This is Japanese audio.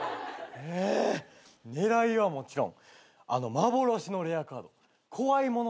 狙いはもちろんあの幻のレアカード怖いもの